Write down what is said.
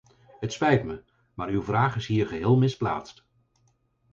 Het spijt me, maar uw vraag is hier geheel misplaatst.